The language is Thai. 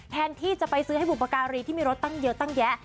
แทนที่จะไปซื้อให้บุปการีที่มีรถตั้งเยอะตั้งแยะ